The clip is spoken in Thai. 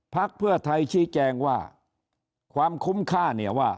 พักเพื่อไทยชี้แจงว่าความคุ้มค่าเนี่ยว่า